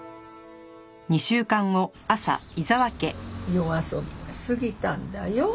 夜遊びが過ぎたんだよ。